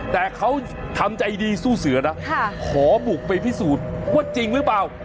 แต่เขาทำใจดีสู้เสือนะขอบุกไปพิสูจน์ว่าจริงหรือเปล่า